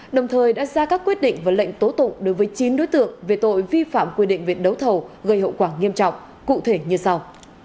đồng thời đã ra các quyết định và lệnh tố tụng đối với chín đối tượng về tội vi phạm quy định viện đấu thầu gây hậu quả nghiêm trọng cụ thể như sau